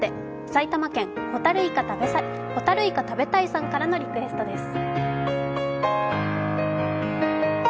埼玉県、ホタルイカ食べたいさんからのリクエストです。